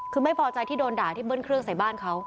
คือไม่พอใจที่โดนด่าที่เบิ้ลเครื่องใส่บ้านเขา